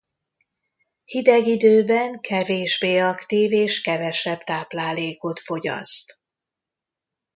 Hideg időben kevésbé aktív és kevesebb táplálékot fogyaszt.